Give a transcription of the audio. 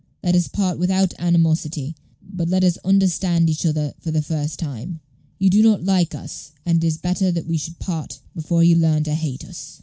Let us part without animosity, but let us understand each other for the first time. You do not like us, and it is better that we should part before you learn to hate us."